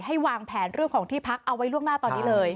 วางแผนเรื่องของที่พักเอาไว้ล่วงหน้าตอนนี้เลย